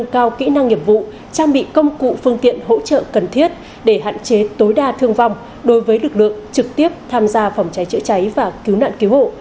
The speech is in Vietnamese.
công cụ phương tiện hỗ trợ cần thiết để hạn chế tối đa thương vong đối với lực lượng trực tiếp tham gia phòng cháy chữa cháy và cứu nạn cứu hộ